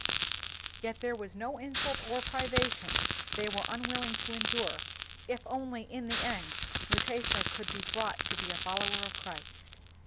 Yet there was no insult or privation they were unwilling to endure if only in the end Mutesa could be brought to be a follower of Christ.